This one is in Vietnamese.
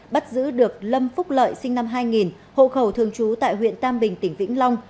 bắt giữ được lâm phúc lợi sinh năm hai nghìn hộ khẩu thường trú tại huyện tam bình tỉnh vĩnh long